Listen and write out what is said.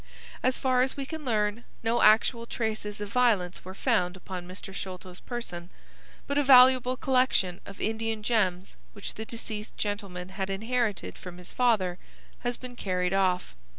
As far as we can learn, no actual traces of violence were found upon Mr. Sholto's person, but a valuable collection of Indian gems which the deceased gentleman had inherited from his father has been carried off.